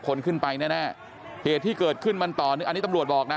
คนขึ้นไปแน่แน่เหตุที่เกิดขึ้นมันต่อเนื่องอันนี้ตำรวจบอกนะ